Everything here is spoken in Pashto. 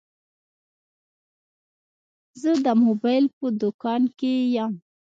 زه د موبایل په دوکان کي یم.